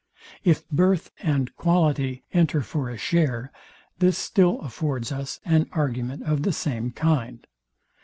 If birth and quality enter for a share, this still affords us an argument of the same kind.